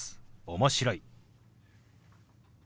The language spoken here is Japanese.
「面白い」。